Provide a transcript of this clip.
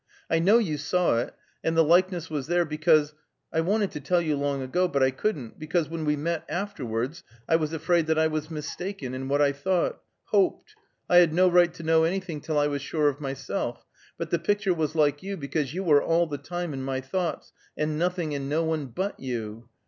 "I know you saw it; and the likeness was there because I wanted to tell you long ago, but I couldn't, because when we met afterwards I was afraid that I was mistaken, in what I thought hoped. I had no right to know anything till I was sure of myself; but the picture was like you because you were all the time in my thoughts, and nothing and no one but you.